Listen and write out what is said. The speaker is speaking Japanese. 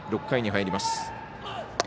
６回に入ります。